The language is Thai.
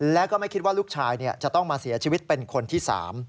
และก็ไม่คิดว่าลูกชายจะต้องมาเสียชีวิตเป็นคนที่๓